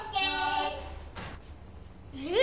えっ⁉